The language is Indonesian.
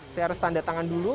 saya harus tanda tangan dulu